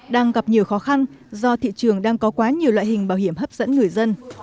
đang gặp nhiều khó khăn do thị trường đang có quá nhiều loại hình bảo hiểm hấp dẫn người dân